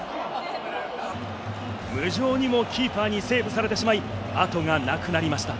無情にもキーパーにセーブされてしまい、後がなくなりました。